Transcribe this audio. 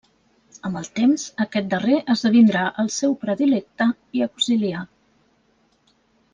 Amb el temps, aquest darrer esdevindrà el seu predilecte i auxiliar.